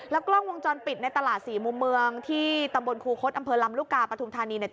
แล้วก็ลงวงจรปิดในตลาดสี่มุมเมืองที่ตำบลคูคสอำเภอรำรุกาปรัฐูมิธานีเนี่ย